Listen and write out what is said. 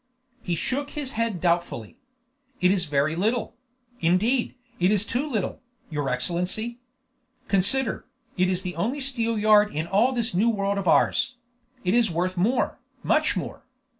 He shook his head doubtfully. "It is very little; indeed, it is too little, your Excellency. Consider, it is the only steelyard in all this new world of ours; it is worth more, much more.